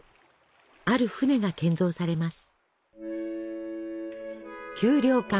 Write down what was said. ある船が建造されます。